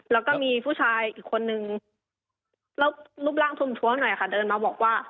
แล้วก็มีผู้ชายอีกคนนึงแล้วรูปร่างทุ่มท้วงหน่อยค่ะเดินมาบอกว่า